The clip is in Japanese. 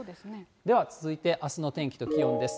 では続いて、あすの天気と気温です。